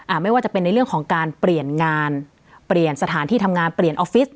ไม่ว่าจะเป็นในเรื่องของการเปลี่ยนงานเปลี่ยนสถานที่ทำงานเปลี่ยนออฟฟิศ